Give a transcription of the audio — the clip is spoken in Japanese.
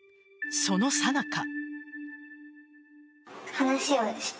そのさなか。